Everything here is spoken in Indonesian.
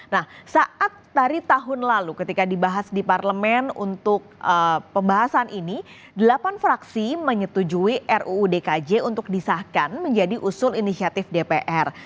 nah saat dari tahun lalu ketika dibahas di parlemen untuk pembahasan ini delapan fraksi menyetujui ruu dkj untuk disahkan menjadi usul inisiatif dpr